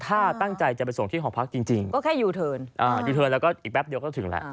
ถ้าตั้งใจจะไปส่งที่หอพักจริงจริงก็แค่ยูเทิร์นอ่ายูเทิร์นแล้วก็อีกแป๊บเดียวก็ถึงแล้ว